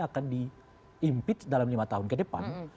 akan diimpeach dalam lima tahun ke depan